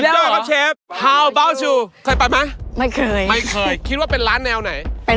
ทำไมรังเลอ่ะ